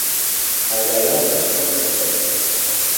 ئاگادار بە، زۆر خەتەرە